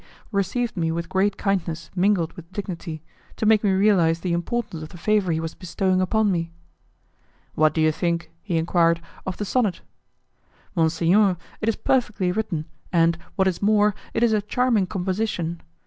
received me with great kindness mingled with dignity, to make me realize the importance of the favour he was bestowing upon me. "What do you think," he enquired, "of the sonnet?" "Monsignor, it is perfectly written, and, what is more, it is a charming composition.